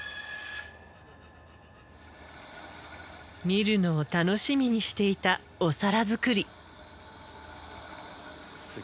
見るのを楽しみにしていたお皿作り。